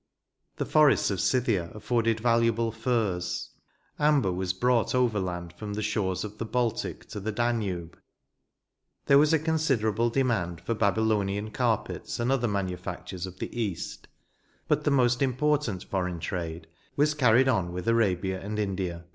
The forests of Scythia afforded valuable fiirs. Amber was brought overland from the shores of the Baltic to the Danube. There was a considerable demand for Babylonian carpets and other manufactures of the east ; but the most important foreign trade was carried on with Arabia and India.